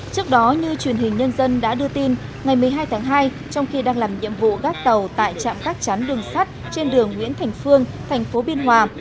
trước đó như truyền hình nhân dân đã đưa tin ngày một mươi hai tháng hai trong khi đang làm nhiệm vụ gác tàu tại trạm gác chắn đường sắt trên đường nguyễn thành phương thành phố biên hòa